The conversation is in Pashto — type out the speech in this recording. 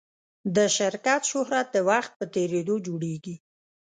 د شرکت شهرت د وخت په تېرېدو جوړېږي.